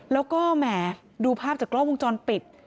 แล้วก็แหมดูภาพจากกล้องวงจรปิด